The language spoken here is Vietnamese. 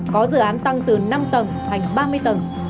có dự án tăng từ năm tầng thành ba mươi tầng